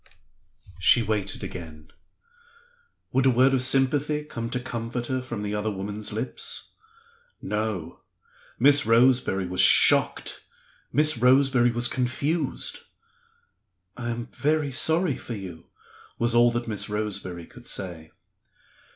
She waited again. Would a word of sympathy come to comfort her from the other woman's lips? No! Miss Roseberry was shocked; Miss Roseberry was confused. "I am very sorry for you," was all that Miss Roseberry could say.